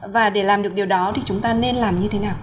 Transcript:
và để làm được điều đó thì chúng ta nên làm như thế nào